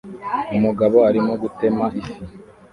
Umugabo arimo gutema ifi